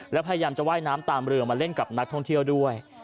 แล้วพยายามจะว่ายน้ำตามเรือมาเล่นกับนักท่องเที่ยวด้วย